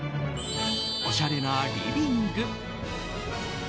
おしゃれなリビング。